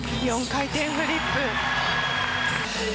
４回転フリップ。